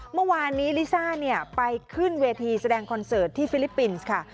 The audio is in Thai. เมื่อวานนี้ลิซ่าไปขึ้นเวทีแสดงคอนเสิร์ตที่ฟิลิปปินส์ค่ะ